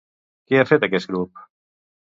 Què ha fet aquest grup?